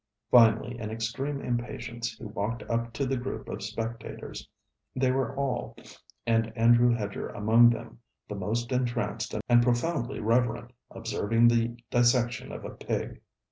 Finally, in extreme impatience, he walked up to the group of spectators. They were all, and Andrew Hedger among them, the most entranced and profoundly reverent, observing the dissection of a pig.